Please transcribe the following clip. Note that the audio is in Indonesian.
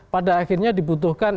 pada akhirnya dibutuhkan